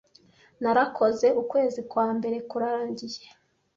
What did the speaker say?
Narakoze, ukwezi kwa mbere kurangiye,